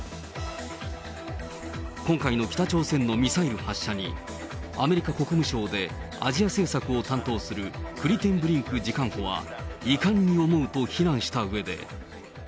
今回の北朝鮮のミサイル発射に、アメリカ国務省でアジア政策を担当するクリテンブリンク次官補は、遺憾に思うと非難したうえで。